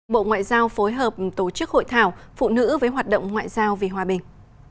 bộ ngoại giao phối hợp tổ chức hội thảo phụ nữ với hoạt động ngoại giao vì hòa bình